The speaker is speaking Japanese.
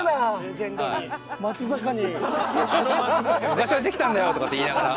「昔はできたんだよ」とかって言いながら。